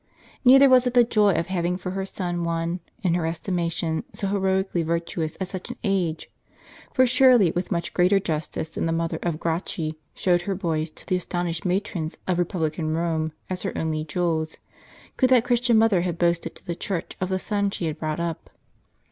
Neither was it the joy of having for her son one, in her estimation, so heroically virtuous at such an age; for surely, with much greater justice than the mother of the Gracchi showed her boys to the astonished matrons of republican Rome as her only jewels, could that Christian mother have boasted to the Church of the son she had brought up.